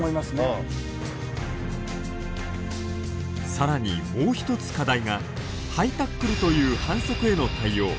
さらに、もう１つ課題がハイタックルという反則への対応。